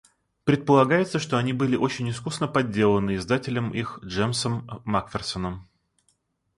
Предполагается, что они были очень искусно подделаны издателем их Джемсом Макферсоном.